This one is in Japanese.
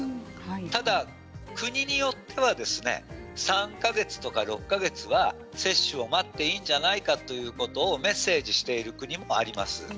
ただ、国によっては３か月とか６か月は接種を待ってもいいんじゃないかということをメッセージしている国もあります。